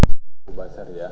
wassalamualaikum wr wb